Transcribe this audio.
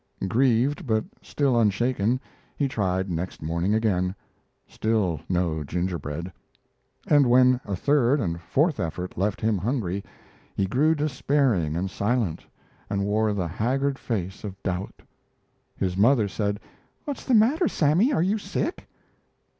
Grieved, but still unshaken, he tried next morning again; still no gingerbread; and when a third and fourth effort left him hungry he grew despairing and silent, and wore the haggard face of doubt. His mother said: "What's the matter, Sammy; are you sick?"